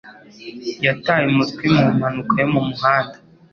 Yataye umutwe mu mpanuka yo mu muhanda.